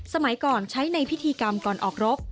สมัยก่อนใช้ในพิธีกรรมก่อนออกรบ